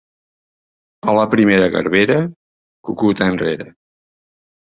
A la primera garbera, cucut enrere.